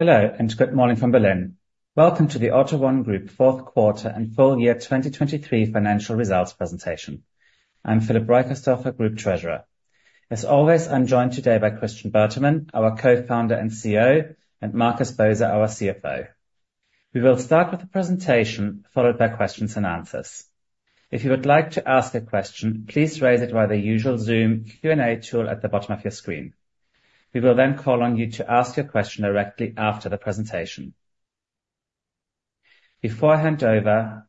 Hello and good morning from Berlin. Welcome to the AUTO1 Group 4th Quarter and Full Year 2023 Financial Results presentation. I'm Philip Reicherstorfer, Group Treasurer. As always, I'm joined today by Christian Bertermann, our Co-Founder and CEO, and Markus Boser, our CFO. We will start with the presentation, followed by questions and answers. If you would like to ask a question, please raise it via the usual Zoom Q&A tool at the bottom of your screen. We will then call on you to ask your question directly after the presentation. Before I hand over,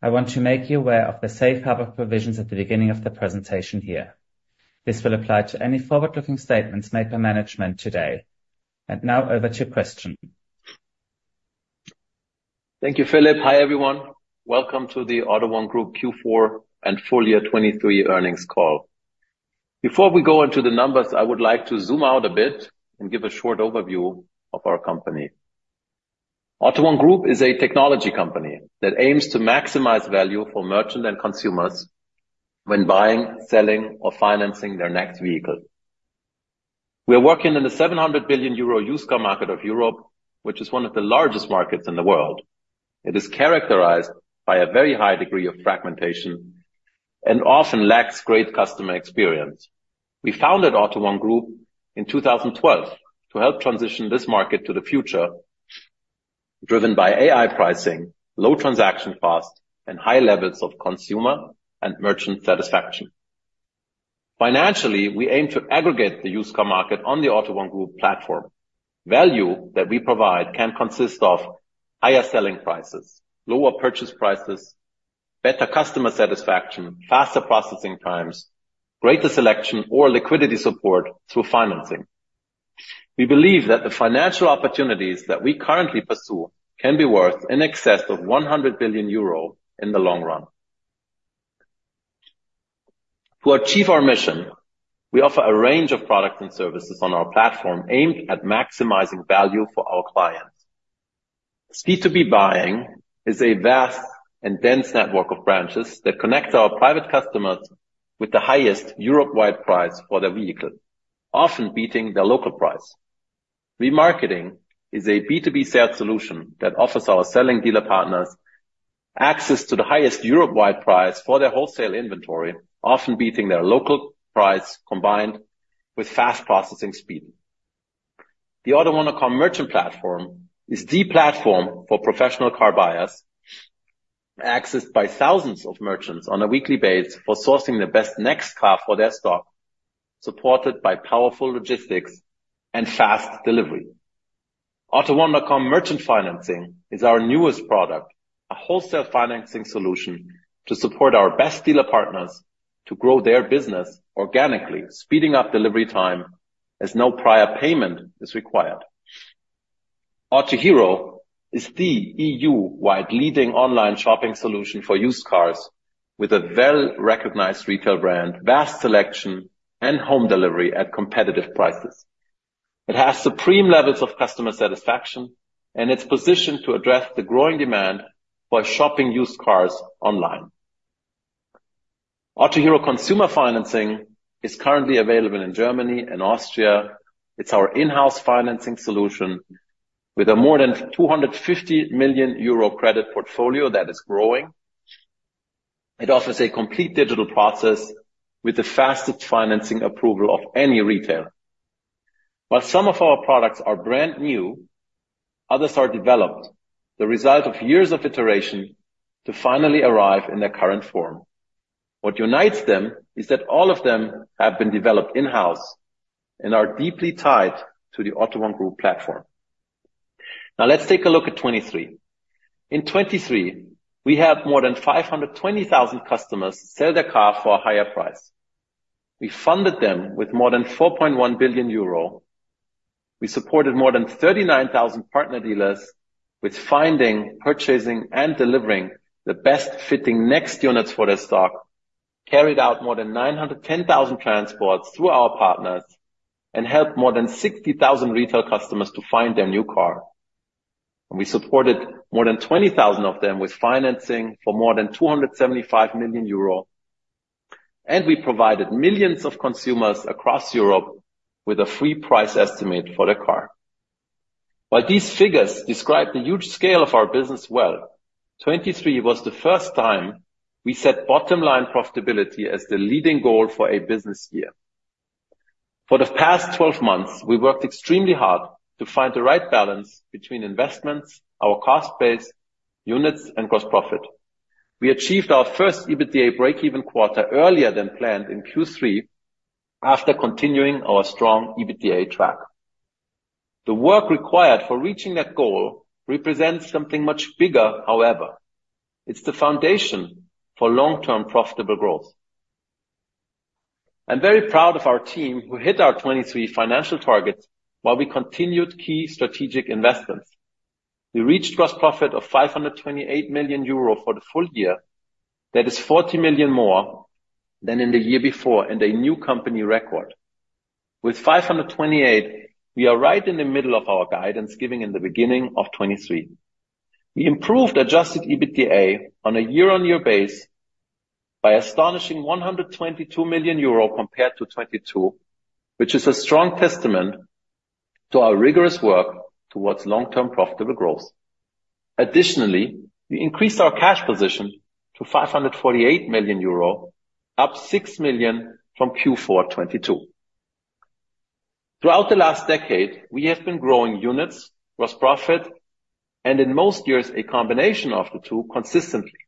I want to make you aware of the safe harbour provisions at the beginning of the presentation here. This will apply to any forward-looking statements made by management today. Now over to Christian. Thank you, Philip. Hi everyone. Welcome to the AUTO1 Group Q4 and Full Year 2023 Earnings call. Before we go into the numbers, I would like to zoom out a bit and give a short overview of our company. AUTO1 Group is a technology company that aims to maximize value for merchants and consumers when buying, selling, or financing their next vehicle. We are working in the 700 billion euro used car market of Europe, which is one of the largest markets in the world. It is characterized by a very high degree of fragmentation and often lacks great customer experience. We founded AUTO1 Group in 2012 to help transition this market to the future, driven by AI pricing, low transaction costs, and high levels of consumer and merchant satisfaction. Financially, we aim to aggregate the used car market on the AUTO1 Group platform. Value that we provide can consist of higher selling prices, lower purchase prices, better customer satisfaction, faster processing times, greater selection, or liquidity support through financing. We believe that the financial opportunities that we currently pursue can be worth in excess of 100 billion euro in the long run. To achieve our mission, we offer a range of products and services on our platform aimed at maximizing value for our clients. B2B buying is a vast and dense network of branches that connect our private customers with the highest Europe-wide price for their vehicle, often beating their local price. Remarketing is a B2B sales solution that offers our selling dealer partners access to the highest Europe-wide price for their wholesale inventory, often beating their local price combined with fast processing speed. The AUTO1.com Merchant Platform is the platform for professional car buyers, accessed by thousands of merchants on a weekly basis for sourcing the best next car for their stock, supported by powerful logistics and fast delivery. AUTO1.com Merchant Financing is our newest product, a wholesale financing solution to support our best dealer partners to grow their business organically, speeding up delivery time as no prior payment is required. Autohero is the EU-wide leading online shopping solution for used cars with a well-recognized retail brand, vast selection, and home delivery at competitive prices. It has supreme levels of customer satisfaction and is positioned to address the growing demand for shopping used cars online. Autohero Consumer Financing is currently available in Germany and Austria. It's our in-house financing solution with a more than 250 million euro credit portfolio that is growing. It offers a complete digital process with the fastest financing approval of any retailer. While some of our products are brand new, others are developed the result of years of iteration to finally arrive in their current form. What unites them is that all of them have been developed in-house and are deeply tied to the AUTO1 Group platform. Now let's take a look at 2023. In 2023, we had more than 520,000 customers sell their car for a higher price. We funded them with more than 4.1 billion euro. We supported more than 39,000 partner dealers with finding, purchasing, and delivering the best fitting next units for their stock, carried out more than 910,000 transports through our partners, and helped more than 60,000 retail customers to find their new car. We supported more than 20,000 of them with financing for more than 275 million euro, and we provided millions of consumers across Europe with a free price estimate for their car. While these figures describe the huge scale of our business well, 2023 was the first time we set bottom-line profitability as the leading goal for a business year. For the past 12 months, we worked extremely hard to find the right balance between investments, our cost base, units, and gross profit. We achieved our first EBITDA break-even quarter earlier than planned in Q3 after continuing our strong EBITDA track. The work required for reaching that goal represents something much bigger, however. It's the foundation for long-term profitable growth. I'm very proud of our team who hit our 2023 financial targets while we continued key strategic investments. We reached gross profit of 528 million euro for the full year. That is 40 million more than in the year before and a new company record. With 528 million, we are right in the middle of our guidance given in the beginning of 2023. We improved adjusted EBITDA on a year-on-year base by astonishing 122 million euro compared to 2022, which is a strong testament to our rigorous work towards long-term profitable growth. Additionally, we increased our cash position to 548 million euro, up 6 million from Q4 2022. Throughout the last decade, we have been growing units, gross profit, and in most years a combination of the two consistently.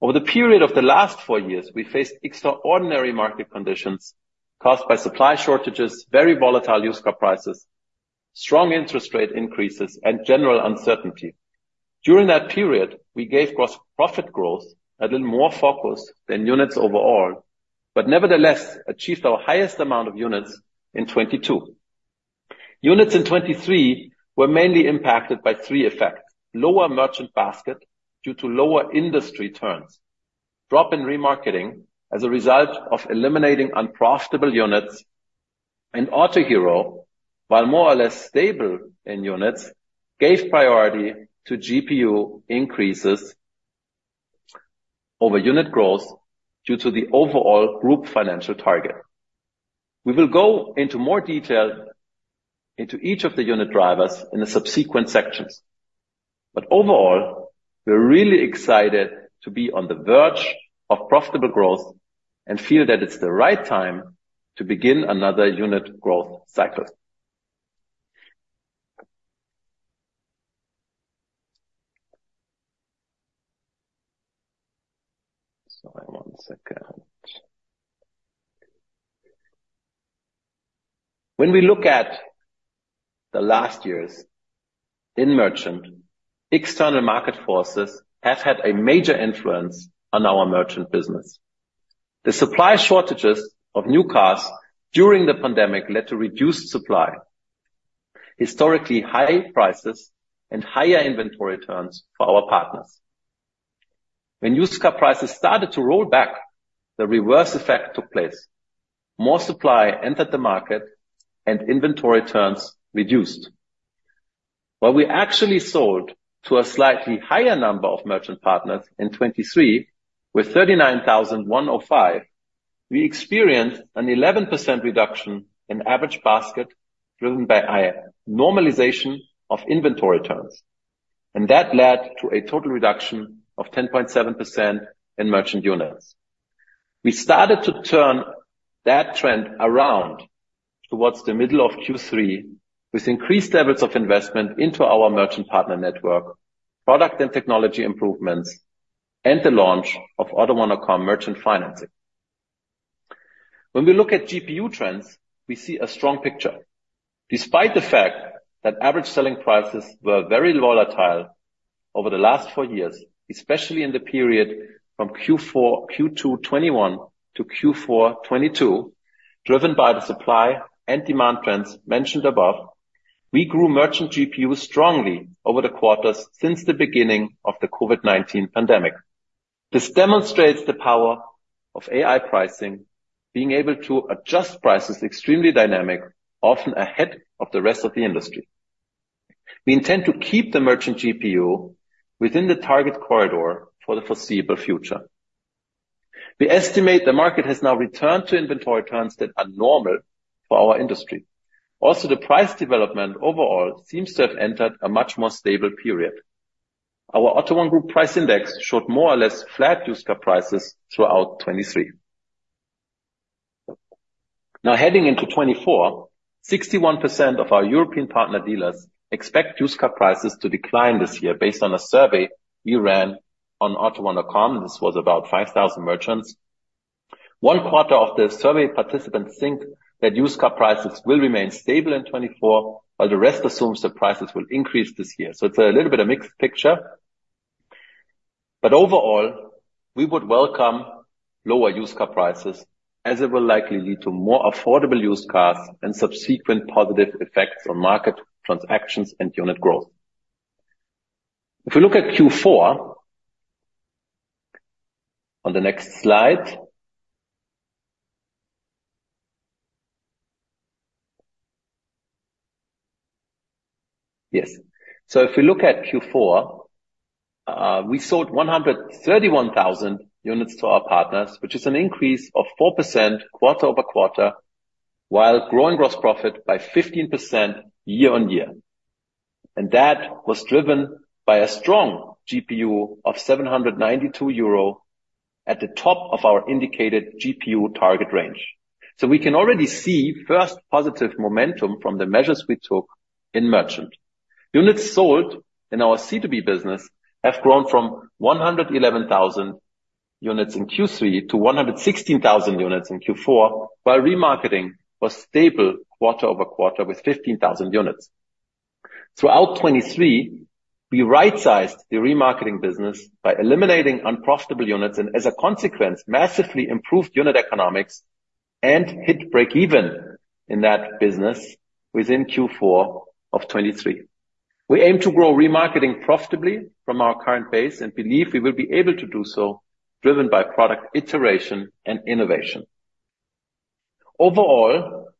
Over the period of the last four years, we faced extraordinary market conditions caused by supply shortages, very volatile used car prices, strong interest rate increases, and general uncertainty. During that period, we gave gross profit growth a little more focus than units overall, but nevertheless achieved our highest amount of units in 2022. Units in 2023 were mainly impacted by three effects: lower merchant basket due to lower industry turns; drop in remarketing as a result of eliminating unprofitable units; and Autohero, while more or less stable in units, gave priority to GPU increases over unit growth due to the overall group financial target. We will go into more detail into each of the unit drivers in the subsequent sections. But overall, we're really excited to be on the verge of profitable growth and feel that it's the right time to begin another unit growth cycle. Sorry, one second. When we look at the last years in merchant, external market forces have had a major influence on our merchant business. The supply shortages of new cars during the pandemic led to reduced supply, historically high prices, and higher inventory turns for our partners. When used car prices started to roll back, the reverse effect took place. More supply entered the market, and inventory turns reduced. While we actually sold to a slightly higher number of merchant partners in 2023 with 39,105, we experienced an 11% reduction in average basket driven by normalization of inventory turns. That led to a total reduction of 10.7% in merchant units. We started to turn that trend around towards the middle of Q3 with increased levels of investment into our merchant partner network, product and technology improvements, and the launch of AUTO1.com Merchant Financing. When we look at GPU trends, we see a strong picture. Despite the fact that average selling prices were very volatile over the last four years, especially in the period from Q2 2021-Q4 2022, driven by the supply and demand trends mentioned above, we grew merchant GPUs strongly over the quarters since the beginning of the COVID-19 pandemic. This demonstrates the power of AI pricing, being able to adjust prices extremely dynamic, often ahead of the rest of the industry. We intend to keep the merchant GPU within the target corridor for the foreseeable future. We estimate the market has now returned to inventory turns that are normal for our industry. Also, the price development overall seems to have entered a much more stable period. Our AUTO1 Group Price Index showed more or less flat used car prices throughout 2023. Now heading into 2024, 61% of our European partner dealers expect used car prices to decline this year based on a survey we ran on AUTO1.com. This was about 5,000 merchants. One quarter of the survey participants think that used car prices will remain stable in 2024, while the rest assumes the prices will increase this year. So it's a little bit of a mixed picture. But overall, we would welcome lower used car prices, as it will likely lead to more affordable used cars and subsequent positive effects on market transactions and unit growth. If we look at Q4 on the next slide. Yes. So if we look at Q4, we sold 131,000 units to our partners, which is an increase of 4% quarter-over-quarter, while growing gross profit by 15% year-over-year. That was driven by a strong GPU of 792 euro at the top of our indicated GPU target range. So we can already see first positive momentum from the measures we took in merchant. Units sold in our C2B business have grown from 111,000 units in Q3 to 116,000 units in Q4, while remarketing was stable quarter-over-quarter with 15,000 units. Throughout 2023, we right-sized the remarketing business by eliminating unprofitable units and, as a consequence, massively improved unit economics and hit break-even in that business within Q4 of 2023. We aim to grow remarketing profitably from our current base and believe we will be able to do so, driven by product iteration and innovation. Overall,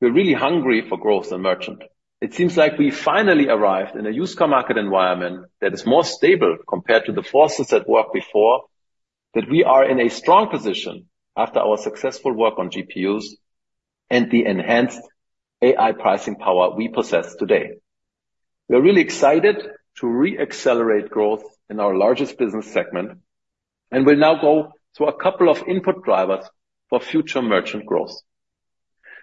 we're really hungry for growth in merchant. It seems like we finally arrived in a used car market environment that is more stable compared to the forces at work before, that we are in a strong position after our successful work on GPUs and the enhanced AI pricing power we possess today. We are really excited to reaccelerate growth in our largest business segment, and we'll now go through a couple of input drivers for future merchant growth.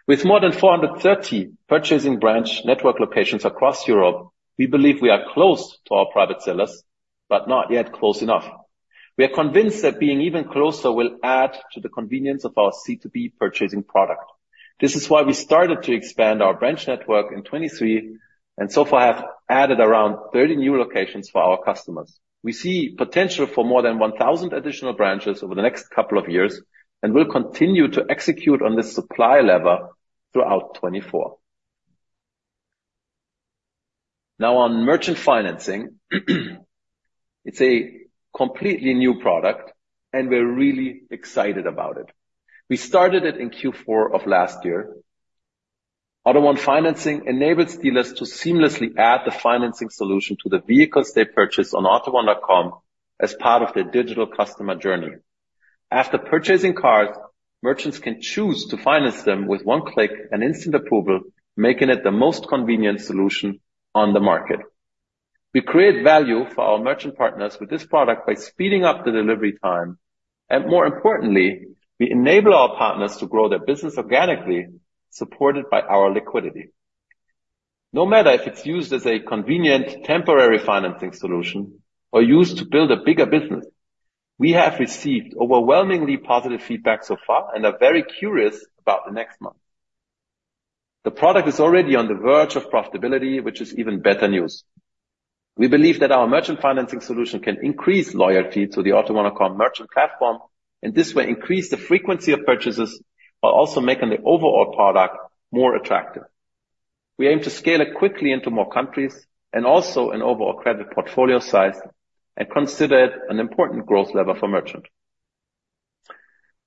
With more than 430 purchasing branch network locations across Europe, we believe we are close to our private sellers, but not yet close enough. We are convinced that being even closer will add to the convenience of our C2B purchasing product. This is why we started to expand our branch network in 2023 and so far have added around 30 new locations for our customers. We see potential for more than 1,000 additional branches over the next couple of years and will continue to execute on this supply lever throughout 2024. Now on merchant financing, it's a completely new product, and we're really excited about it. We started it in Q4 of last year. AUTO1 Financing enables dealers to seamlessly add the financing solution to the vehicles they purchase on AUTO1.com as part of their digital customer journey. After purchasing cars, merchants can choose to finance them with one click and instant approval, making it the most convenient solution on the market. We create value for our merchant partners with this product by speeding up the delivery time. And more importantly, we enable our partners to grow their business organically, supported by our liquidity. No matter if it's used as a convenient temporary financing solution or used to build a bigger business, we have received overwhelmingly positive feedback so far and are very curious about the next month. The product is already on the verge of profitability, which is even better news. We believe that our merchant financing solution can increase loyalty to the AUTO1.com Merchant Platform and this way increase the frequency of purchases while also making the overall product more attractive. We aim to scale it quickly into more countries and also an overall credit portfolio size and consider it an important growth lever for merchant.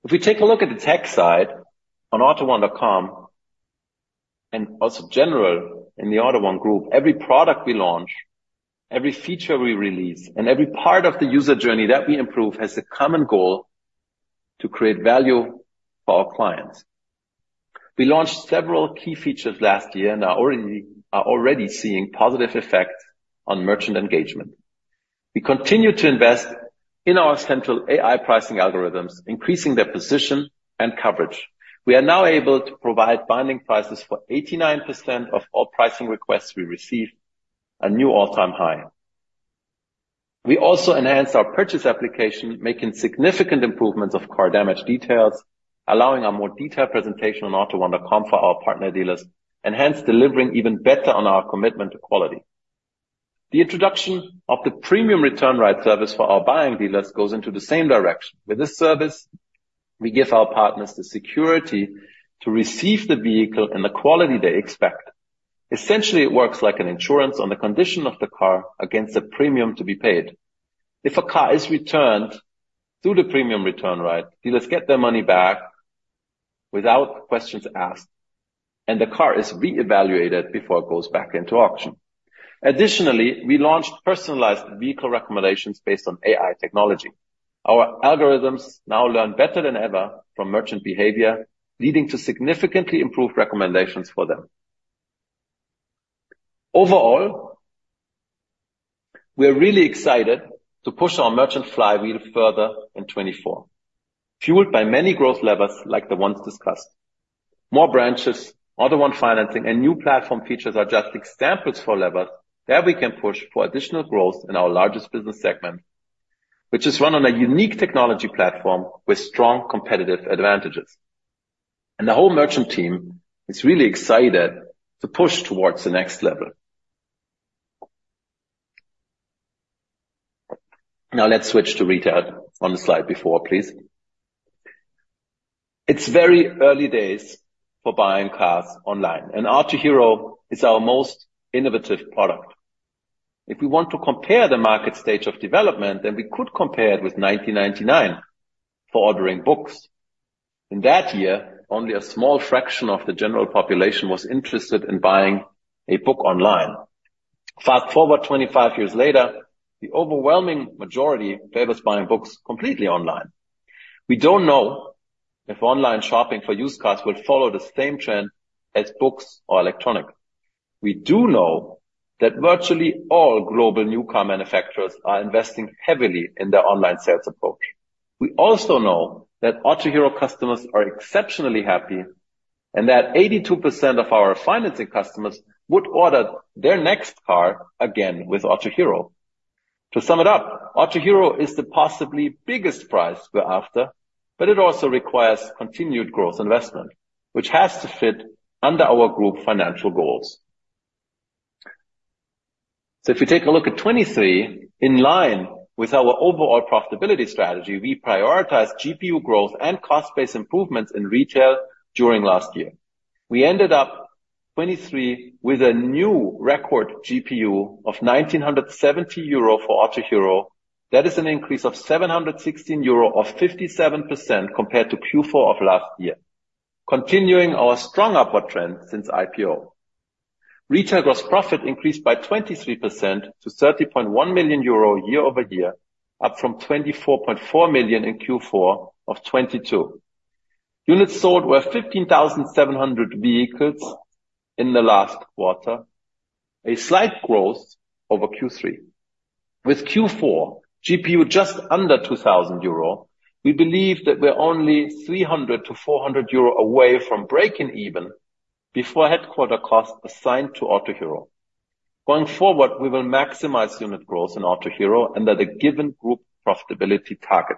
If we take a look at the tech side on AUTO1.com and also generally in the AUTO1 Group, every product we launch, every feature we release, and every part of the user journey that we improve has a common goal to create value for our clients. We launched several key features last year and are already seeing positive effects on merchant engagement. We continue to invest in our central AI pricing algorithms, increasing their position and coverage. We are now able to provide binding prices for 89% of all pricing requests we receive, a new all-time high. We also enhanced our purchase application, making significant improvements of car damage details, allowing a more detailed presentation on AUTO1.com for our partner dealers, enhanced delivering even better on our commitment to quality. The introduction of the Premium Return Right service for our buying dealers goes into the same direction. With this service, we give our partners the security to receive the vehicle in the quality they expect. Essentially, it works like insurance on the condition of the car against the premium to be paid. If a car is returned through the Premium Return Right, dealers get their money back without questions asked, and the car is reevaluated before it goes back into auction. Additionally, we launched personalized vehicle recommendations based on AI technology. Our algorithms now learn better than ever from merchant behavior, leading to significantly improved recommendations for them. Overall, we are really excited to push our merchant flywheel further in 2024, fueled by many growth levers like the ones discussed. More branches, AUTO1 Financing, and new platform features are just examples for levers that we can push for additional growth in our largest business segment, which is run on a unique technology platform with strong competitive advantages. And the whole merchant team is really excited to push towards the next level. Now let's switch to retail on the slide before, please. It's very early days for buying cars online, and Autohero is our most innovative product. If we want to compare the market stage of development, then we could compare it with 1999 for ordering books. In that year, only a small fraction of the general population was interested in buying a book online. Fast forward 25 years later, the overwhelming majority favors buying books completely online. We don't know if online shopping for used cars will follow the same trend as books or electronics. We also know that Autohero customers are exceptionally happy and that 82% of our financing customers would order their next car again with Autohero. To sum it up, Autohero is the possibly biggest price we're after, but it also requires continued growth investment, which has to fit under our group financial goals. So if you take a look at 2023, in line with our overall profitability strategy, we prioritized GPU growth and cost-based improvements in retail during last year. We ended up 2023 with a new record GPU of 1,970 euro for Autohero. That is an increase of 716 euro, or 57% compared to Q4 of last year, continuing our strong upward trend since IPO. Retail gross profit increased by 23% to 30.1 million euro year-over-year, up from 24.4 million in Q4 of 2022. Units sold were 15,700 vehicles in the last quarter, a slight growth over Q3. With Q4 GPU just under 2,000 euro, we believe that we're only 300-400 euro away from breaking even before headquarter costs assigned to Autohero. Going forward, we will maximize unit growth in Autohero under the given group profitability target.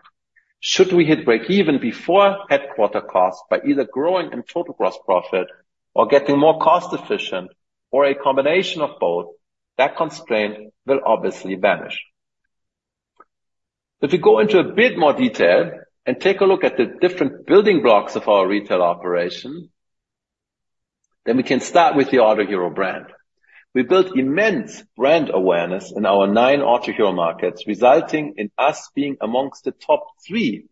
Should we hit break-even before headquarters costs by either growing in total gross profit or getting more cost-efficient or a combination of both, that constraint will obviously vanish. If we go into a bit more detail and take a look at the different building blocks of our retail operation, then we can start with the Autohero brand. We built immense brand awareness in our nine Autohero markets, resulting in us being among the top three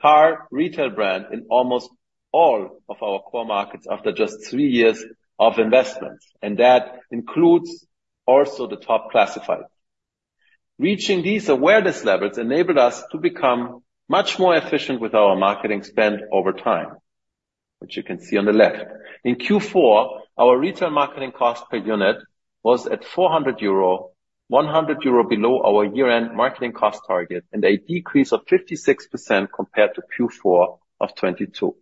car retail brands in almost all of our core markets after just three years of investments. And that includes also the top classifieds. Reaching these awareness levels enabled us to become much more efficient with our marketing spend over time, which you can see on the left. In Q4, our retail marketing cost per unit was at 400 euro, 100 euro below our year-end marketing cost target, and a decrease of 56% compared to Q4 of 2022.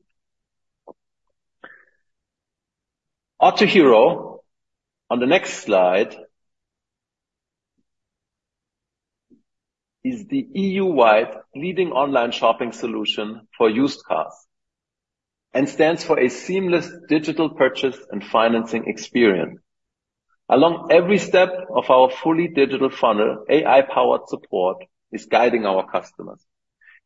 Autohero, on the next slide, is the EU-wide leading online shopping solution for used cars and stands for a seamless digital purchase and financing experience. Along every step of our fully digital funnel, AI-powered support is guiding our customers.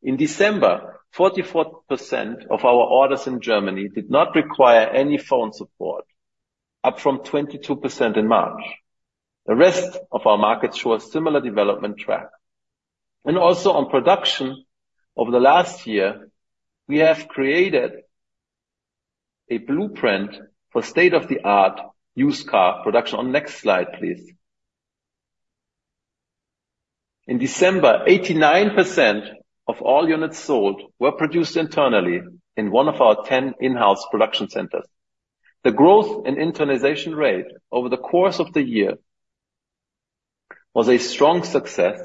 In December, 44% of our orders in Germany did not require any phone support, up from 22% in March. The rest of our markets show a similar development track. Also on production over the last year, we have created a blueprint for state-of-the-art used car production. On the next slide, please. In December, 89% of all units sold were produced internally in one of our 10 in-house production centers. The growth and internalization rate over the course of the year was a strong success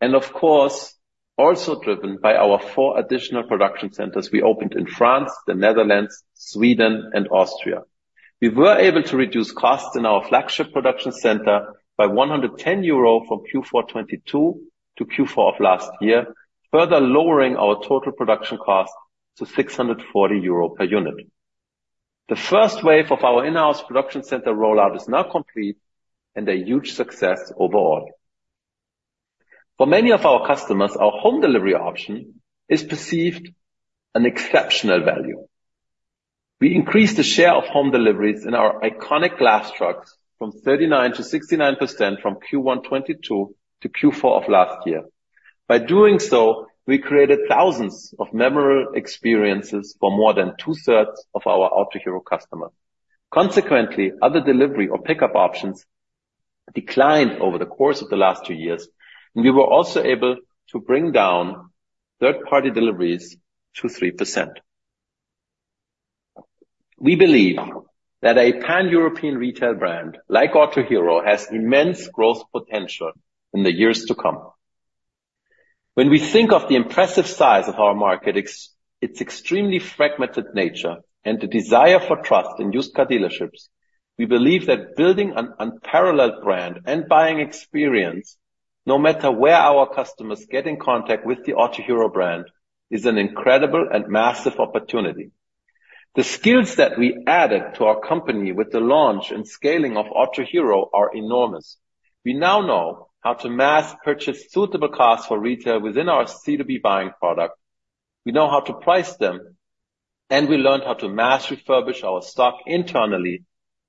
and, of course, also driven by our four additional production centers we opened in France, the Netherlands, Sweden, and Austria. We were able to reduce costs in our flagship production center by 110 euro from Q4 2022 to Q4 of last year, further lowering our total production cost to 640 euro per unit. The first wave of our in-house production center rollout is now complete and a huge success overall. For many of our customers, our home delivery option is perceived as an exceptional value. We increased the share of home deliveries in our iconic glass trucks from 39%-69% from Q1 2022 to Q4 of last year. By doing so, we created thousands of memorable experiences for more than 2/3 of our Autohero customers. Consequently, other delivery or pickup options declined over the course of the last two years, and we were also able to bring down third-party deliveries to 3%. We believe that a pan-European retail brand like Autohero has immense growth potential in the years to come. When we think of the impressive size of our market, its extremely fragmented nature, and the desire for trust in used car dealerships, we believe that building an unparalleled brand and buying experience, no matter where our customers get in contact with the Autohero brand, is an incredible and massive opportunity. The skills that we added to our company with the launch and scaling of Autohero are enormous. We now know how to mass purchase suitable cars for retail within our C2B buying product. We know how to price them, and we learned how to mass refurbish our stock internally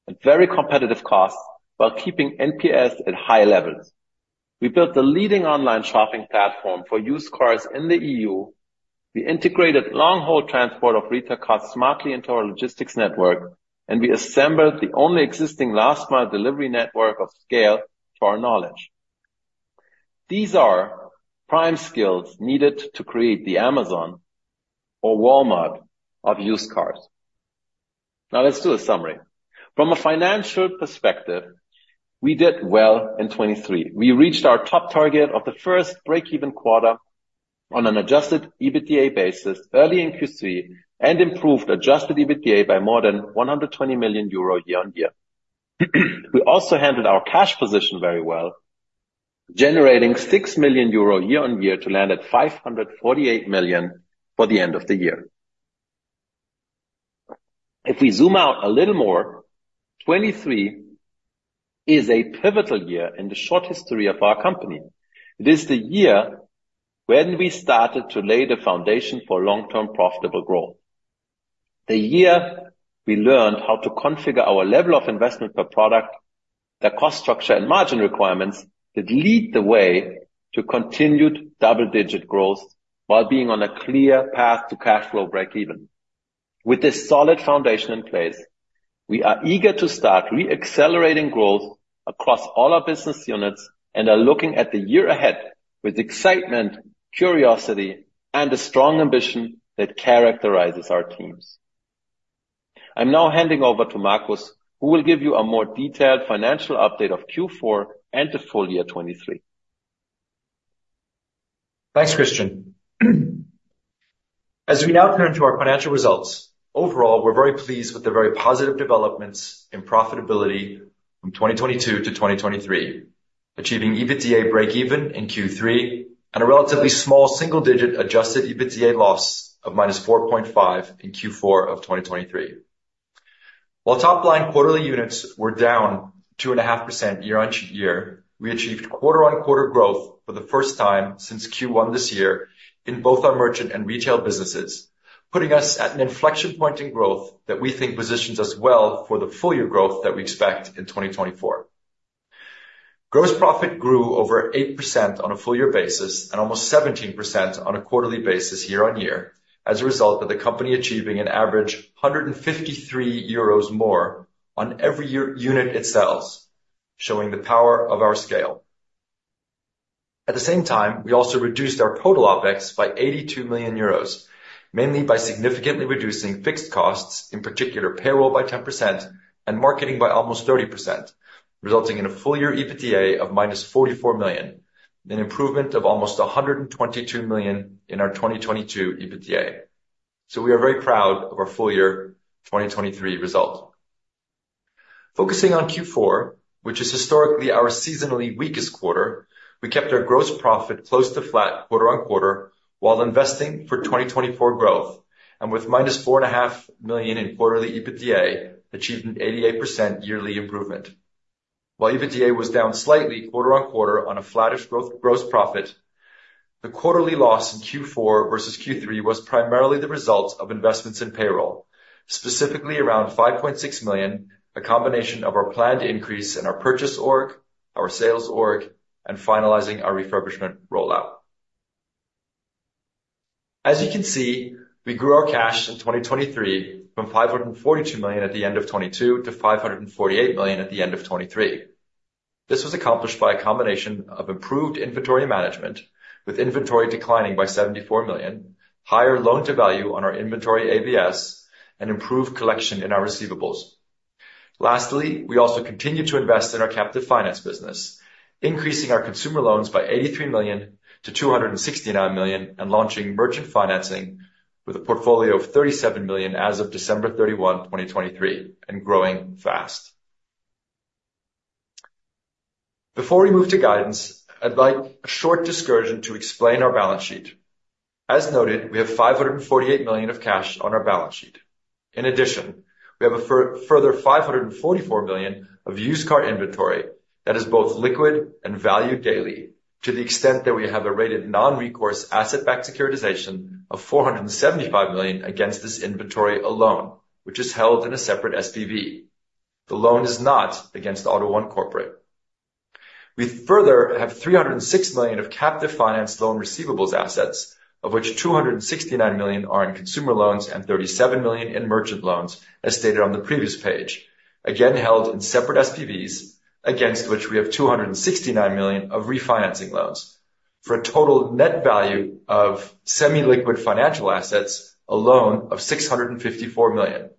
at very competitive costs while keeping NPS at high levels. We built the leading online shopping platform for used cars in the EU. We integrated long-haul transport of retail cars smartly into our logistics network, and we assembled the only existing last-mile delivery network of scale to our knowledge. These are prime skills needed to create the Amazon or Walmart of used cars. Now let's do a summary. From a financial perspective, we did well in 2023. We reached our top target of the first break-even quarter on an adjusted EBITDA basis early in Q3 and improved adjusted EBITDA by more than 120 million euro year-on-year. We also handled our cash position very well, generating 6 million euro year-on-year to land at 548 million for the end of the year. If we zoom out a little more, 2023 is a pivotal year in the short history of our company. It is the year when we started to lay the foundation for long-term profitable growth, the year we learned how to configure our level of investment per product, the cost structure, and margin requirements that lead the way to continued double-digit growth while being on a clear path to cash flow break-even. With this solid foundation in place, we are eager to start reaccelerating growth across all our business units and are looking at the year ahead with excitement, curiosity, and a strong ambition that characterizes our teams. I'm now handing over to Markus, who will give you a more detailed financial update of Q4 and the full year 2023. Thanks, Christian. As we now turn to our financial results, overall, we're very pleased with the very positive developments in profitability from 2022-2023, achieving EBITDA break-even in Q3 and a relatively small single-digit adjusted EBITDA loss of -4.5 in Q4 of 2023. While top-line quarterly units were down 2.5% year-on-year, we achieved quarter-on-quarter growth for the first time since Q1 this year in both our merchant and retail businesses, putting us at an inflection point in growth that we think positions us well for the full-year growth that we expect in 2024. Gross profit grew over 8% on a full-year basis and almost 17% on a quarterly basis year-on-year as a result of the company achieving an average 153 euros more on every unit it sells, showing the power of our scale. At the same time, we also reduced our total OPEX by 82 million euros, mainly by significantly reducing fixed costs, in particular payroll by 10%, and marketing by almost 30%, resulting in a full-year EBITDA of -44 million, an improvement of almost 122 million in our 2022 EBITDA. So we are very proud of our full-year 2023 result. Focusing on Q4, which is historically our seasonally weakest quarter, we kept our gross profit close to flat quarter-on-quarter while investing for 2024 growth and with -4.5 million in quarterly EBITDA, achieving 88% yearly improvement. While EBITDA was down slightly quarter-on-quarter on a flattest gross profit, the quarterly loss in Q4 versus Q3 was primarily the result of investments in payroll, specifically around 5.6 million, a combination of our planned increase in our purchase org, our sales org, and finalizing our refurbishment rollout. As you can see, we grew our cash in 2023 from 542 million at the end of 2022 to 548 million at the end of 2023. This was accomplished by a combination of improved inventory management with inventory declining by 74 million, higher loan-to-value on our inventory ABS, and improved collection in our receivables. Lastly, we also continued to invest in our captive finance business, increasing our consumer loans by 83 million-269 million and launching merchant financing with a portfolio of 37 million as of December 31, 2023, and growing fast. Before we move to guidance, I'd like a short digression to explain our balance sheet. As noted, we have 548 million of cash on our balance sheet. In addition, we have a further 544 million of used car inventory that is both liquid and valued daily to the extent that we have a rated non-recourse asset-backed securitization of 475 million against this inventory alone, which is held in a separate SPV. The loan is not against AUTO1 Corporate. We further have 306 million of captive finance loan receivables assets, of which 269 million are in consumer loans and 37 million in merchant loans, as stated on the previous page, again held in separate SPVs, against which we have 269 million of refinancing loans for a total net value of semi-liquid financial assets alone of 654 million.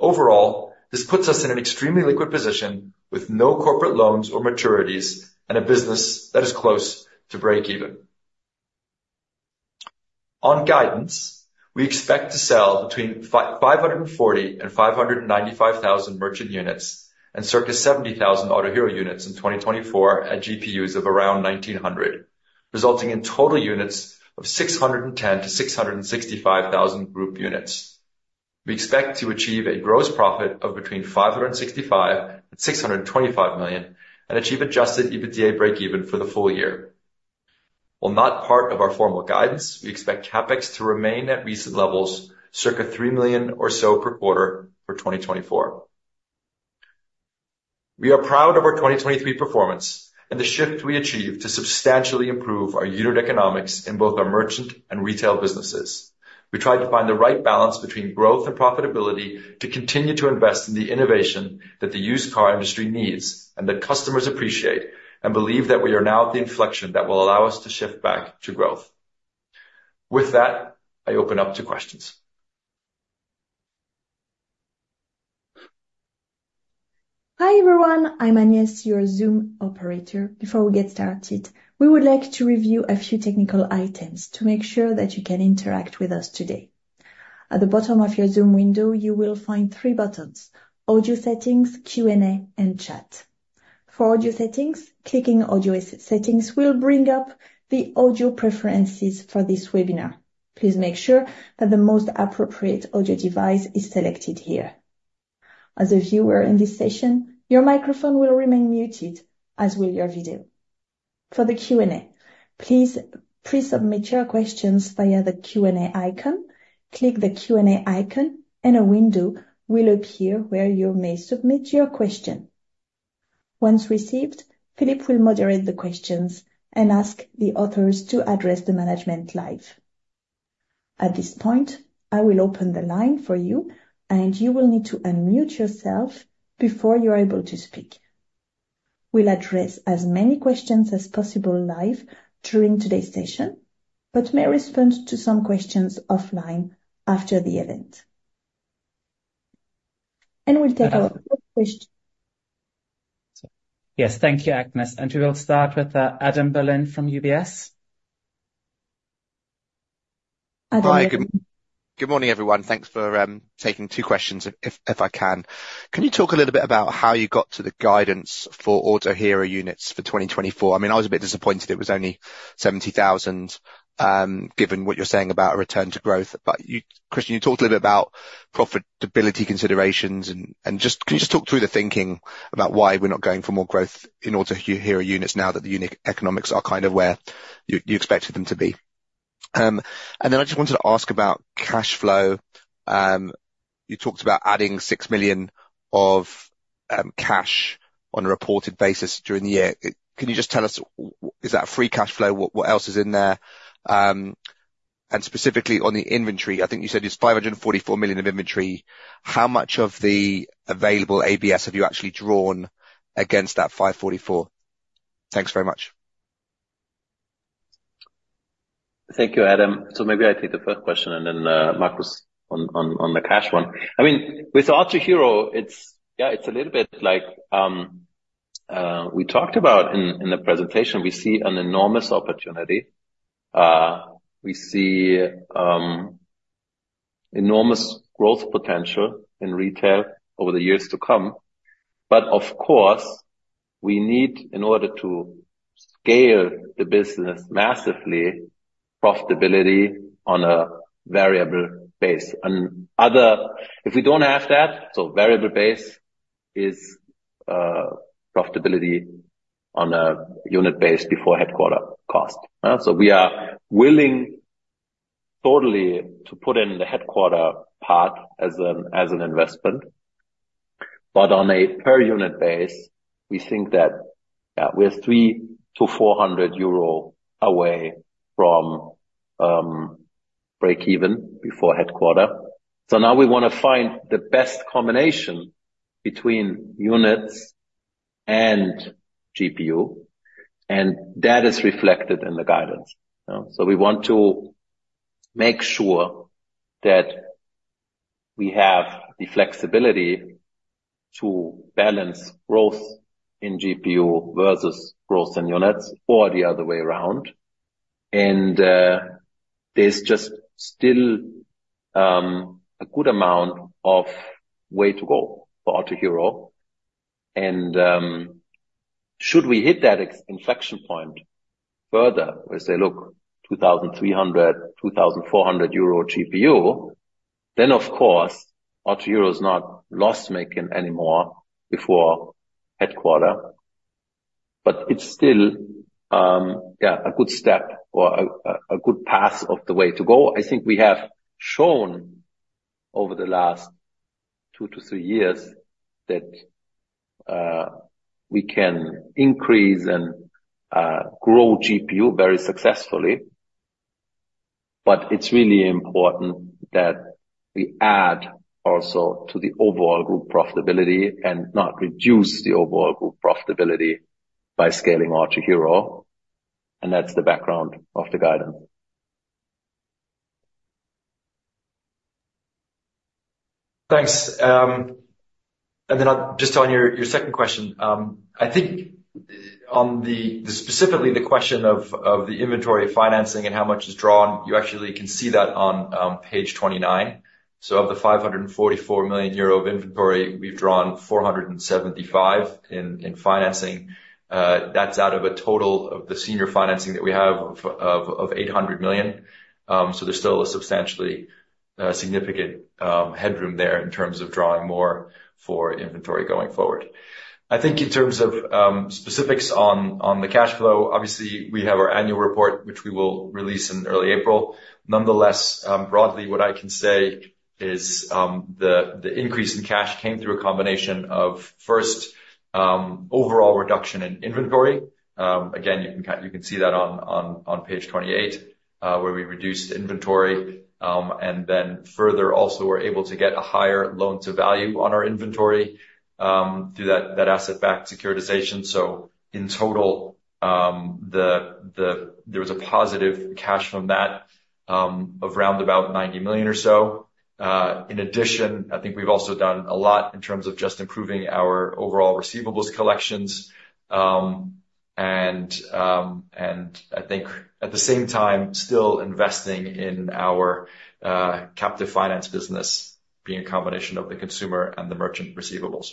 Overall, this puts us in an extremely liquid position with no corporate loans or maturities and a business that is close to break-even. On guidance, we expect to sell between 540,000 and 595,000 merchant units and circa 70,000 Autohero units in 2024 at GPUs of around 1,900, resulting in total units of 610,000-665,000 group units. We expect to achieve a gross profit of between 565,000 and 625,000 and achieve adjusted EBITDA break-even for the full year. While not part of our formal guidance, we expect CapEx to remain at recent levels, circa 3 million or so per quarter for 2024. We are proud of our 2023 performance and the shift we achieved to substantially improve our unit economics in both our merchant and retail businesses. We tried to find the right balance between growth and profitability to continue to invest in the innovation that the used car industry needs and that customers appreciate and believe that we are now at the inflection that will allow us to shift back to growth. With that, I open up to questions. Hi, everyone. I'm Agnès, your Zoom operator. Before we get started, we would like to review a few technical items to make sure that you can interact with us today. At the bottom of your Zoom window, you will find three buttons: audio settings, Q&A, and chat. For audio settings, clicking audio settings will bring up the audio preferences for this webinar. Please make sure that the most appropriate audio device is selected here. As a viewer in this session, your microphone will remain muted, as will your video. For the Q&A, please pre-submit your questions via the Q&A icon. Click the Q&A icon, and a window will appear where you may submit your question. Once received, Philip will moderate the questions and ask the authors to address the management live. At this point, I will open the line for you, and you will need to unmute yourself before you're able to speak. We'll address as many questions as possible live during today's session but may respond to some questions offline after the event. We'll take our first question. Yes, thank you, Agnès. We will start with Adam Berlin from UBS. Adam. Hi. Good morning, everyone. Thanks for taking two questions, if I can. Can you talk a little bit about how you got to the guidance for Autohero units for 2024? I mean, I was a bit disappointed it was only 70,000, given what you're saying about a return to growth. But Christian, you talked a little bit about profitability considerations. Can you just talk through the thinking about why we're not going for more growth in Autohero units now that the unit economics are kind of where you expected them to be? And then I just wanted to ask about cash flow. You talked about adding 6 million of cash on a reported basis during the year. Can you just tell us, is that free cash flow? What else is in there? And specifically on the inventory, I think you said it's 544 million of inventory. How much of the available ABS have you actually drawn against that 544? Thanks very much. Thank you, Adam. So maybe I take the first question, and then Markus on the cash one. I mean, with Autohero, yeah, it's a little bit like we talked about in the presentation. We see an enormous opportunity. We see enormous growth potential in retail over the years to come. But of course, we need, in order to scale the business massively, profitability on a variable base. If we don't have that, so variable base is profitability on a unit base before headquarter cost. So we are willing totally to put in the headquarter part as an investment. But on a per-unit base, we think that, yeah, we're 300-400 euro away from break-even before headquarter. So now we want to find the best combination between units and GPU, and that is reflected in the guidance. So we want to make sure that we have the flexibility to balance growth in GPU versus growth in units or the other way around. And there's just still a good amount of way to go for Autohero. And should we hit that inflection point further where they say, "Look, 2,300-2,400 euro GPU," then, of course, Autohero is not loss-making anymore before headquarters. But it's still, yeah, a good step or a good path of the way to go. I think we have shown over the last 2-3 years that we can increase and grow GPU very successfully. But it's really important that we add also to the overall group profitability and not reduce the overall group profitability by scaling Autohero. And that's the background of the guidance. Thanks. And then just on your second question, I think specifically the question of the inventory financing and how much is drawn, you actually can see that on page 29. So of the 544 million euro of inventory, we've drawn 475 million in financing. That's out of a total of the senior financing that we have of 800 million. So there's still a substantially significant headroom there in terms of drawing more for inventory going forward. I think in terms of specifics on the cash flow, obviously, we have our annual report, which we will release in early April. Nonetheless, broadly, what I can say is the increase in cash came through a combination of, first, overall reduction in inventory. Again, you can see that on page 28 where we reduced inventory. And then further, also, we're able to get a higher loan-to-value on our inventory through that asset-backed securitization. So in total, there was a positive cash from that of about 90 million or so. In addition, I think we've also done a lot in terms of just improving our overall receivables collections and, I think, at the same time, still investing in our captive finance business being a combination of the consumer and the merchant receivables.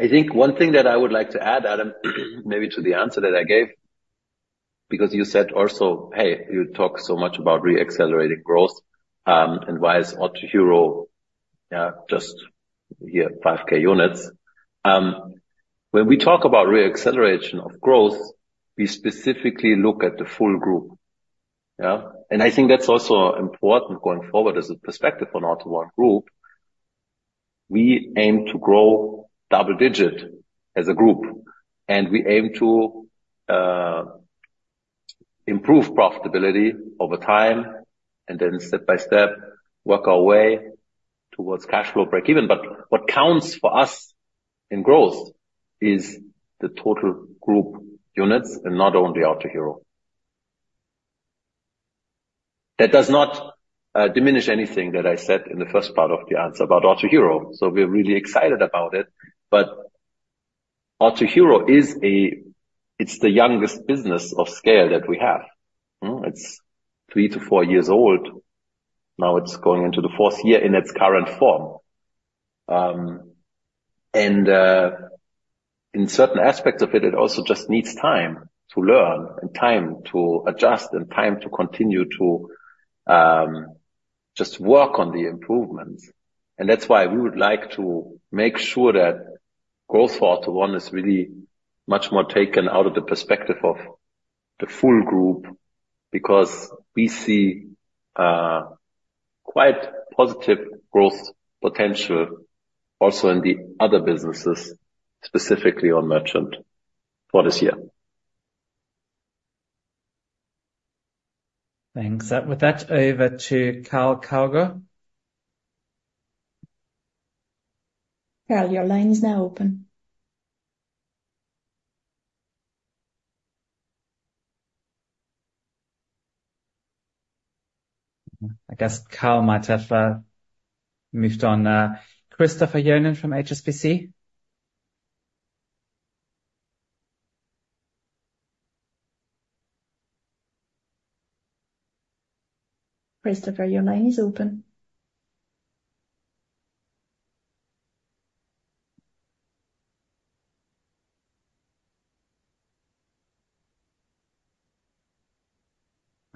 I think one thing that I would like to add, Adam, maybe to the answer that I gave because you said also, "Hey, you talk so much about re-accelerating growth and why is Autohero, yeah, just here, 5,000 units?" When we talk about re-acceleration of growth, we specifically look at the full group. And I think that's also important going forward as a perspective on AUTO1 Group. We aim to grow double-digit as a group, and we aim to improve profitability over time and then step by step work our way towards cash flow break-even. But what counts for us in growth is the total group units and not only Autohero. That does not diminish anything that I said in the first part of the answer about Autohero. So we're really excited about it. But Autohero is the youngest business of scale that we have. It's 3-4 years old. Now it's going into the fourth year in its current form. In certain aspects of it, it also just needs time to learn and time to adjust and time to continue to just work on the improvements. That's why we would like to make sure that growth for Autohero is really much more taken out of the perspective of the full group because we see quite positive growth potential also in the other businesses, specifically on Merchant, for this year. Thanks. With that, over to Karl Kauger. Karl, your line is now open. I guess Karl might have moved on. Christopher Sherborne from HSBC. Christopher, your line is open.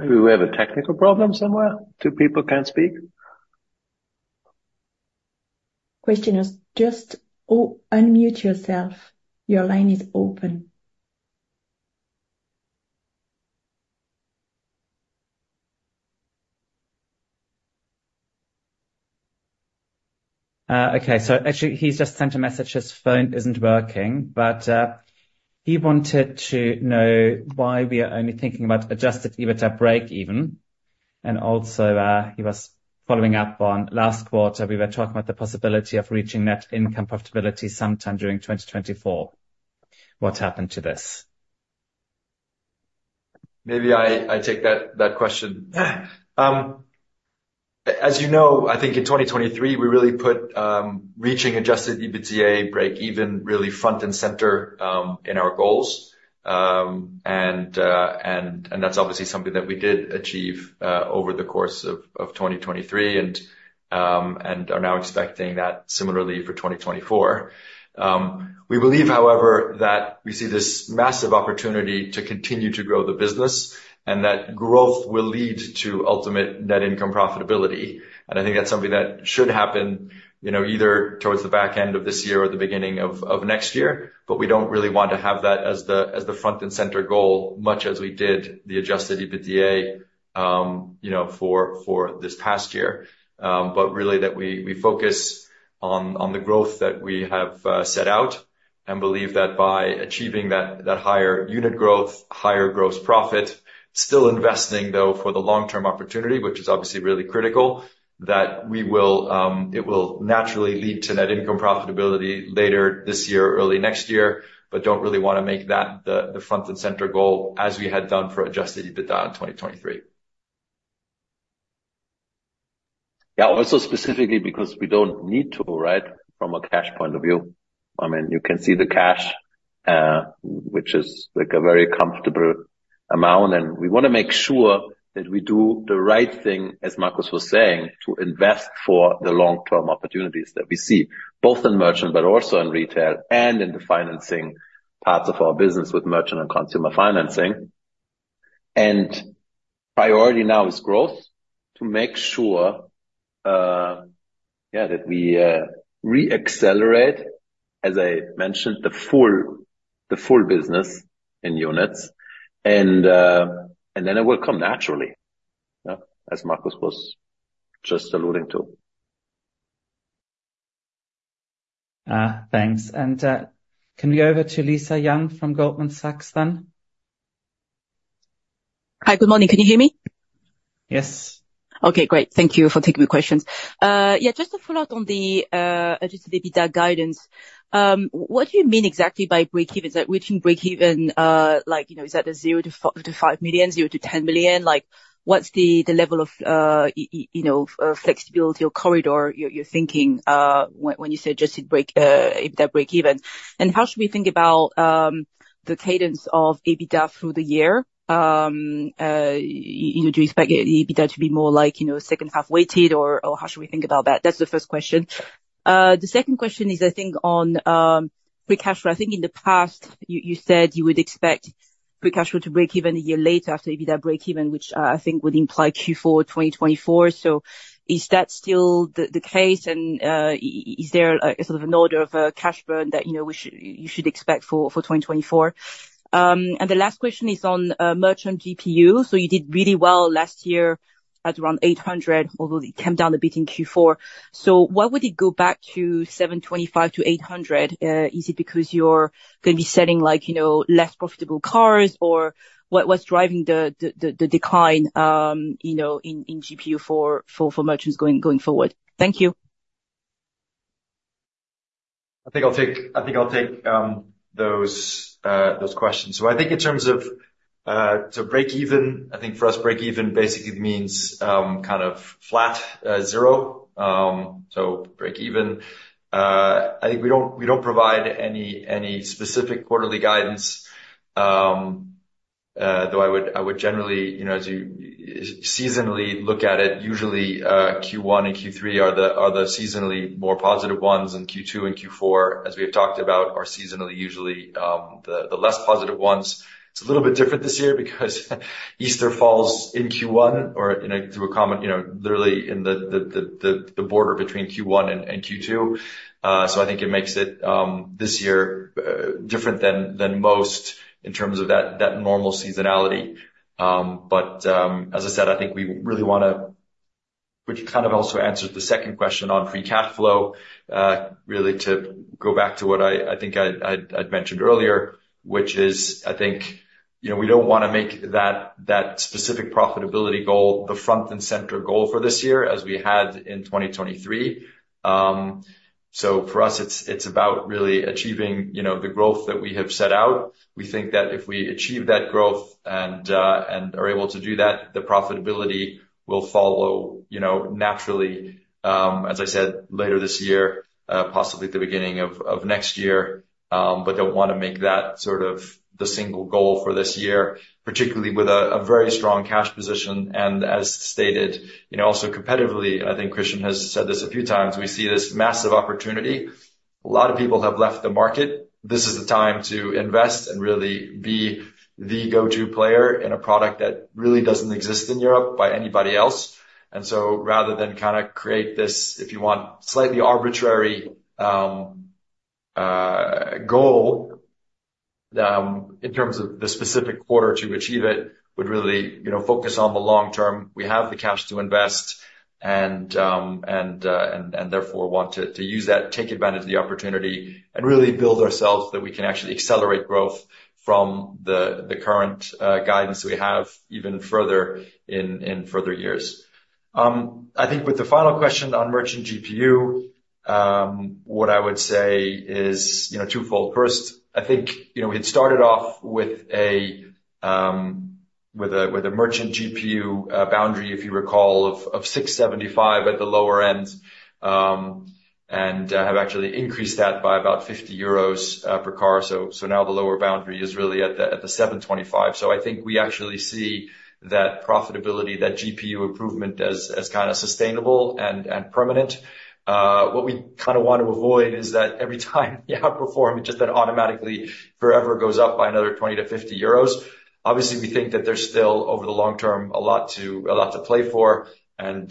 Maybe we have a technical problem somewhere. Two people can't speak. Christian, just unmute yourself. Your line is open. Okay. So actually, he's just sent a message. His phone isn't working. But he wanted to know why we are only thinking about adjusted EBITDA break-even. And also, he was following up on last quarter. We were talking about the possibility of reaching net income profitability sometime during 2024. What happened to this? Maybe I take that question. As you know, I think in 2023, we really put reaching adjusted EBITDA break-even really front and center in our goals. That's obviously something that we did achieve over the course of 2023 and are now expecting that similarly for 2024. We believe, however, that we see this massive opportunity to continue to grow the business and that growth will lead to ultimate net income profitability. I think that's something that should happen either towards the back end of this year or the beginning of next year. But we don't really want to have that as the front and center goal much as we did the adjusted EBITDA for this past year, but really that we focus on the growth that we have set out and believe that by achieving that higher unit growth, higher gross profit, still investing, though, for the long-term opportunity, which is obviously really critical, that it will naturally lead to net income profitability later this year, early next year, but don't really want to make that the front and center goal as we had done for adjusted EBITDA in 2023. Yeah, also specifically because we don't need to, right, from a cash point of view. I mean, you can see the cash, which is a very comfortable amount. And we want to make sure that we do the right thing, as Markus was saying, to invest for the long-term opportunities that we see, both in merchant but also in retail and in the financing parts of our business with merchant and consumer financing. And priority now is growth to make sure, yeah, that we re-accelerate, as I mentioned, the full business in units. And then it will come naturally, as Markus was just alluding to. Thanks. Can we go over to Lisa Yang from Goldman Sachs then? Hi. Good morning. Can you hear me? Yes. Okay. Great. Thank you for taking my questions. Yeah, just to follow up on the adjusted EBITDA guidance, what do you mean exactly by break-even? Is that reaching break-even? Is that a 0-5 million, 0-10 million? What's the level of flexibility or corridor you're thinking when you say adjusted EBITDA break-even? And how should we think about the cadence of EBITDA through the year? Do you expect EBITDA to be more like second-half weighted, or how should we think about that? That's the first question. The second question is, I think, on free cash flow. I think in the past, you said you would expect free cash flow to break-even a year later after EBITDA break-even, which I think would imply Q4 2024. So is that still the case? And is there sort of an order of cash burn that you should expect for 2024? The last question is on merchant GPU. So you did really well last year at around 800, although it came down a bit in Q4. So why would it go back to 725-800? Is it because you're going to be selling less profitable cars, or what's driving the decline in GPU for merchants going forward? Thank you. I think I'll take those questions. So I think in terms of break-even, I think for us, break-even basically means kind of flat zero. So break-even, I think we don't provide any specific quarterly guidance, though I would generally, seasonally, look at it. Usually, Q1 and Q3 are the seasonally more positive ones, and Q2 and Q4, as we have talked about, are seasonally usually the less positive ones. It's a little bit different this year because Easter falls in Q1 or, to be more precise, literally on the border between Q1 and Q2. So I think it makes it this year different than most in terms of that normal seasonality. But as I said, I think we really want to, which kind of also answers the second question on free cash flow, really, to go back to what I think I'd mentioned earlier, which is, I think, we don't want to make that specific profitability goal the front and center goal for this year as we had in 2023. So for us, it's about really achieving the growth that we have set out. We think that if we achieve that growth and are able to do that, the profitability will follow naturally, as I said, later this year, possibly the beginning of next year. But don't want to make that sort of the single goal for this year, particularly with a very strong cash position. And as stated, also competitively, and I think Christian has said this a few times, we see this massive opportunity. A lot of people have left the market. This is the time to invest and really be the go-to player in a product that really doesn't exist in Europe by anybody else. And so rather than kind of create this, if you want, slightly arbitrary goal in terms of the specific quarter to achieve it, would really focus on the long term. We have the cash to invest and therefore want to use that, take advantage of the opportunity, and really build ourselves that we can actually accelerate growth from the current guidance we have even further in further years. I think with the final question on merchant GPU, what I would say is twofold. First, I think we had started off with a merchant GPU boundary, if you recall, of 675 at the lower end and have actually increased that by about 50 euros per car. So now the lower boundary is really at the 725. So I think we actually see that profitability, that GPU improvement, as kind of sustainable and permanent. What we kind of want to avoid is that every time the outperform, it just automatically forever goes up by another 20-50 euros. Obviously, we think that there's still, over the long term, a lot to play for and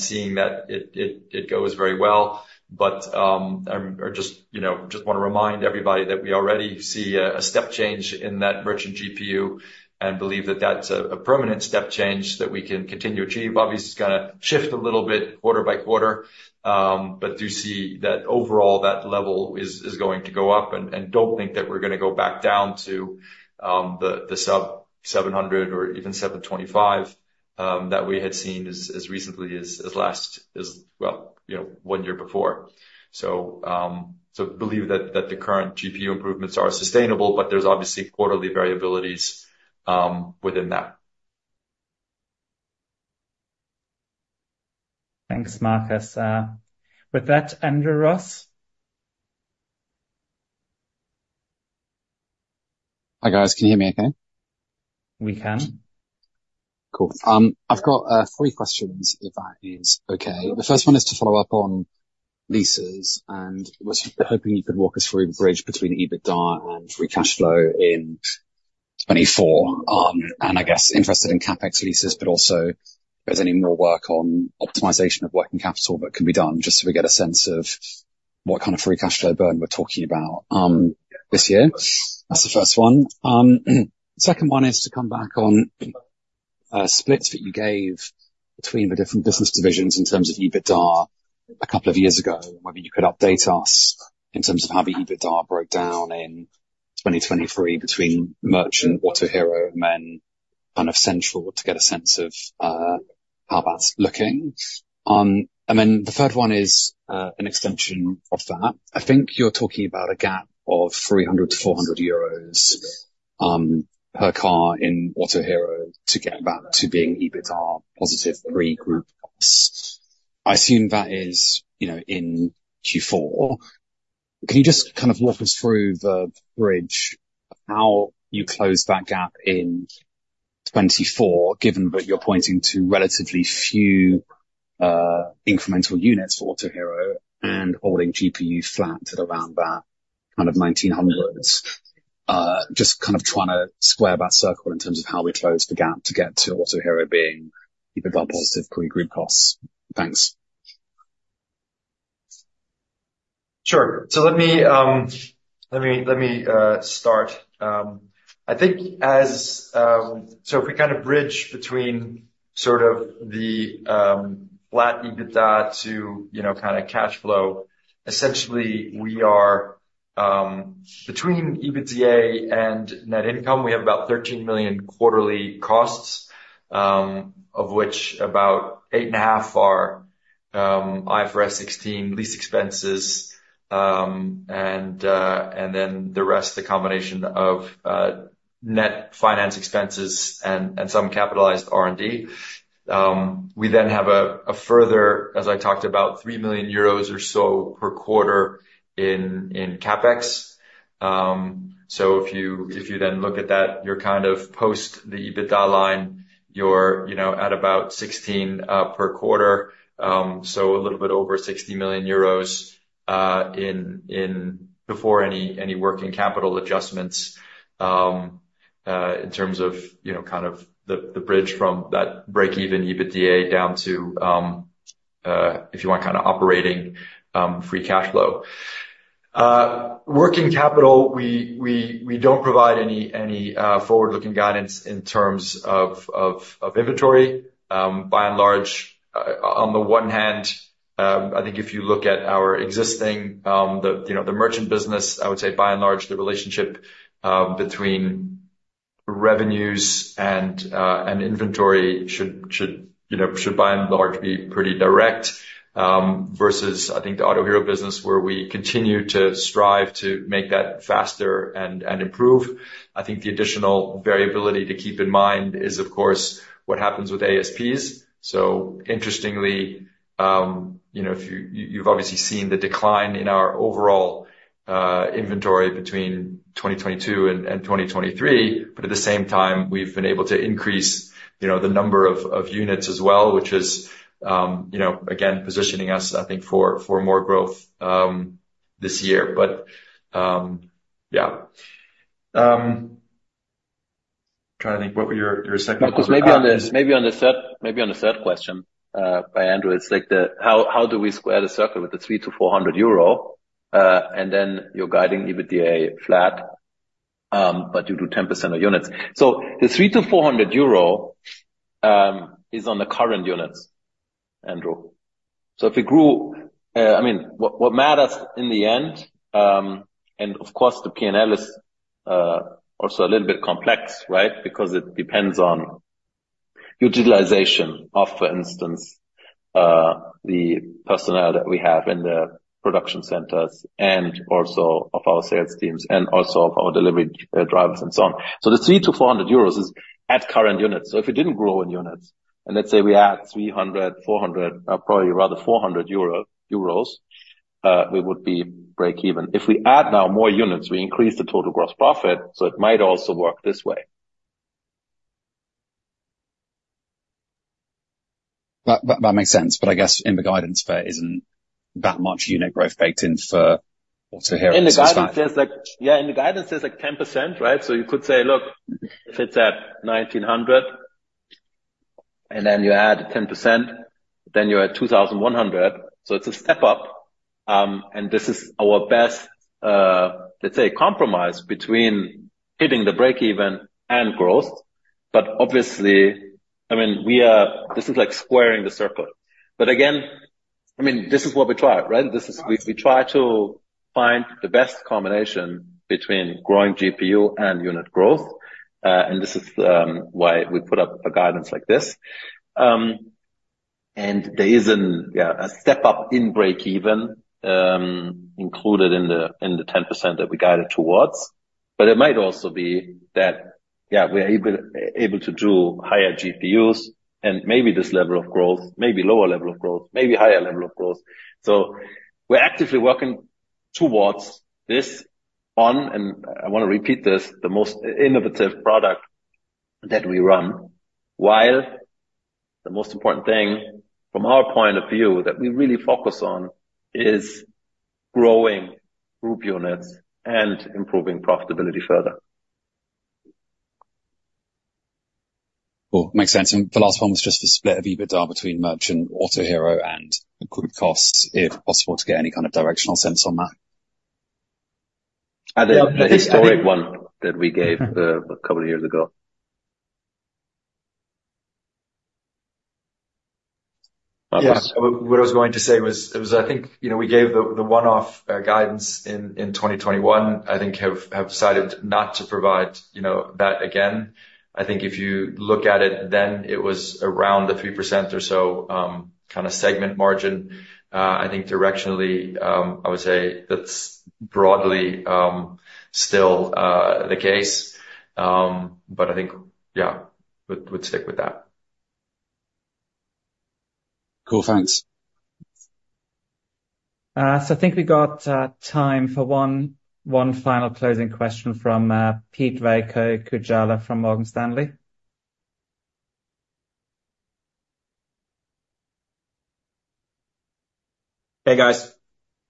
seeing that it goes very well. But I just want to remind everybody that we already see a step change in that merchant GPU and believe that that's a permanent step change that we can continue to achieve. Obviously, it's going to shift a little bit quarter by quarter, but do see that overall, that level is going to go up. Don't think that we're going to go back down to the sub-EUR 700 or even 725 that we had seen as recently as last, well, one year before. Believe that the current GPU improvements are sustainable, but there's obviously quarterly variabilities within that. Thanks, Markus. With that, Andrew Ross. Hi guys. Can you hear me okay? We can. Cool. I've got three questions, if that is okay. The first one is to follow up on leases. And I was hoping you could walk us through the bridge between EBITDA and free cash flow in 2024. And I guess interested in CAPEX leases, but also if there's any more work on optimization of working capital that can be done just so we get a sense of what kind of free cash flow burn we're talking about this year. That's the first one. Second one is to come back on splits that you gave between the different business divisions in terms of EBITDA a couple of years ago and whether you could update us in terms of how the EBITDA broke down in 2023 between Merchant, Autohero, and then kind of central to get a sense of how that's looking. And then the third one is an extension of that. I think you're talking about a gap of 300-400 euros per car in Autohero to get back to being EBITDA positive pre-group costs. I assume that is in Q4. Can you just kind of walk us through the bridge of how you closed that gap in 2024, given that you're pointing to relatively few incremental units for Autohero and holding GPU flat at around that kind of 1,900s? Just kind of trying to square that circle in terms of how we closed the gap to get to Autohero being EBITDA positive pre-group costs. Thanks. Sure. So let me start. I think, so if we kind of bridge between sort of the flat EBITDA to kind of cash flow, essentially, between EBITDA and net income, we have about 13 million quarterly costs, of which about 8.5 are IFRS 16 lease expenses, and then the rest, the combination of net finance expenses and some capitalized R&D. We then have a further, as I talked about, 3 million euros or so per quarter in CapEx. So if you then look at that, you're kind of post the EBITDA line, you're at about 16 million per quarter. So a little bit over 60 million euros before any working capital adjustments in terms of kind of the bridge from that break-even EBITDA down to, if you want, kind of operating free cash flow. Working capital, we don't provide any forward-looking guidance in terms of inventory. By and large, on the one hand, I think if you look at our existing, the merchant business, I would say, by and large, the relationship between revenues and inventory should, by and large, be pretty direct versus, I think, the Autohero business, where we continue to strive to make that faster and improve. I think the additional variability to keep in mind is, of course, what happens with ASPs. So interestingly, you've obviously seen the decline in our overall inventory between 2022 and 2023. But at the same time, we've been able to increase the number of units as well, which is, again, positioning us, I think, for more growth this year. But yeah. Trying to think. What were your second question? Markus, maybe on the third question by Andrew, it's how do we square the circle with the 300-400 euro and then you're guiding EBITDA flat, but you do 10% of units? So the 300-400 euro is on the current units, Andrew. So if we grew, I mean, what matters in the end and of course, the P&L is also a little bit complex, right, because it depends on utilization of, for instance, the personnel that we have in the production centers and also of our sales teams and also of our delivery drivers and so on. So the 300-400 euros is at current units. So if it didn't grow in units and let's say we add 300, 400, probably rather 400 euro, we would be break-even. If we add now more units, we increase the total gross profit. So it might also work this way. That makes sense. But I guess in the guidance, there isn't that much unit growth baked in for Autohero's guidance. Yeah. In the guidance, there's like 10%, right? So you could say, "Look, if it's at 1900 and then you add 10%, then you're at 2100." So it's a step up. And this is our best, let's say, compromise between hitting the break-even and growth. But obviously, I mean, this is like squaring the circle. But again, I mean, this is what we try, right? We try to find the best combination between growing GPU and unit growth. And this is why we put up a guidance like this. And there is a step up in break-even included in the 10% that we guided towards. But it might also be that, yeah, we're able to do higher GPUs and maybe this level of growth, maybe lower level of growth, maybe higher level of growth. We're actively working towards this on, and I want to repeat this, the most innovative product that we run. While the most important thing, from our point of view, that we really focus on is growing group units and improving profitability further. Cool. Makes sense. The last one was just for split of EBITDA between Merchant, Autohero, and group costs, if possible, to get any kind of directional sense on that. Yeah. The historic one that we gave a couple of years ago. Yeah. What I was going to say was, I think we gave the one-off guidance in 2021, I think, have decided not to provide that again. I think if you look at it, then it was around the 3% or so kind of segment margin. I think directionally, I would say that's broadly still the case. But I think, yeah, we'd stick with that. Cool. Thanks. So I think we got time for one final closing question from Pete-Veikko Kujala from Morgan Stanley. Hey guys.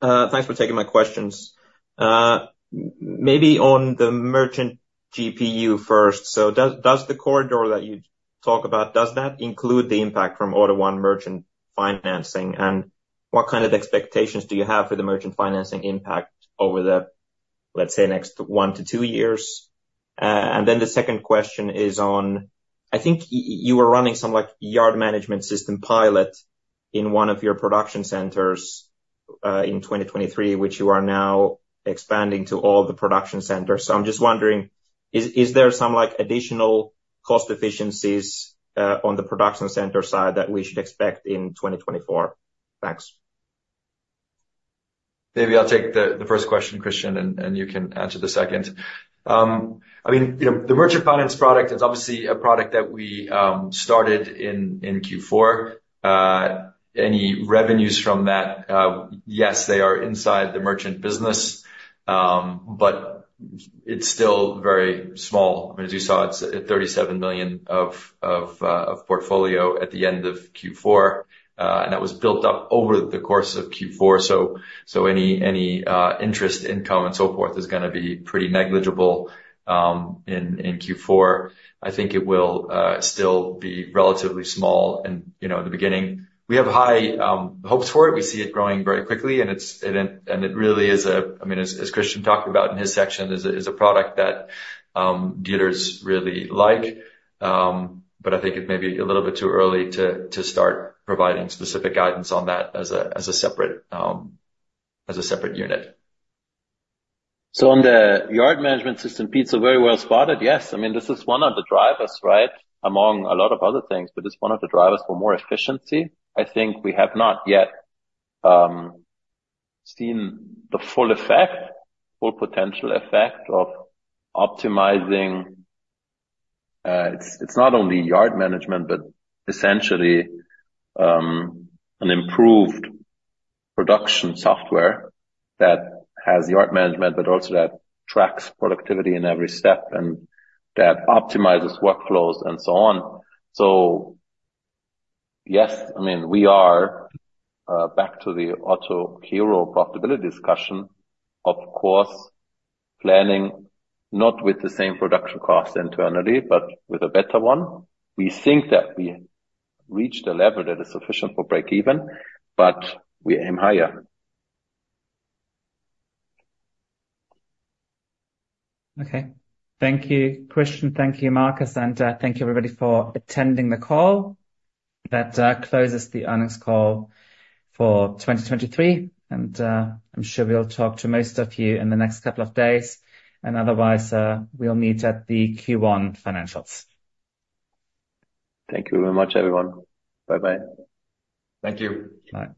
Thanks for taking my questions. Maybe on the merchant GPU first. So does the corridor that you talk about, does that include the impact from AUTO1 Merchant Financing? And what kind of expectations do you have for the merchant financing impact over the, let's say, next 1-2 years? And then the second question is on I think you were running some yard management system pilot in one of your production centers in 2023, which you are now expanding to all the production centers. So I'm just wondering, is there some additional cost efficiencies on the production center side that we should expect in 2024? Thanks. Maybe I'll take the first question, Christian, and you can answer the second. I mean, the merchant finance product, it's obviously a product that we started in Q4. Any revenues from that, yes, they are inside the merchant business, but it's still very small. I mean, as you saw, it's at 37 million of portfolio at the end of Q4. And that was built up over the course of Q4. So any interest income and so forth is going to be pretty negligible in Q4. I think it will still be relatively small in the beginning. We have high hopes for it. We see it growing very quickly. And it really is a, I mean, as Christian talked about in his section, it's a product that dealers really like. But I think it's maybe a little bit too early to start providing specific guidance on that as a separate unit. So on the yard management system, Pete, so very well spotted. Yes. I mean, this is one of the drivers, right, among a lot of other things, but it's one of the drivers for more efficiency. I think we have not yet seen the full effect, full potential effect of optimizing it's not only yard management, but essentially an improved production software that has yard management, but also that tracks productivity in every step and that optimizes workflows and so on. So yes, I mean, we are back to the Autohero profitability discussion, of course, planning not with the same production cost internally, but with a better one. We think that we reached a level that is sufficient for break-even, but we aim higher. Okay. Thank you, Christian. Thank you, Markus. Thank you, everybody, for attending the call. That closes the earnings call for 2023. I'm sure we'll talk to most of you in the next couple of days. Otherwise, we'll meet at the Q1 financials. Thank you very much, everyone. Bye-bye. Thank you. Bye.